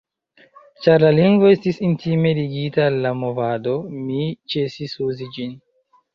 Ĉar la lingvo estis intime ligita al la movado, mi ĉesis uzi ĝin.